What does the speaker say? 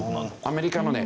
アメリカのね